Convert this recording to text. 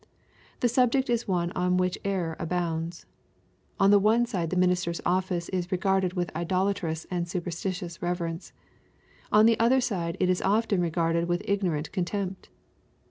The subject is one on which error abounds. On the one side the minister's office is regarded with idolatrous and superstitious reverence. On the other side it is often regarded with ignorant contempt.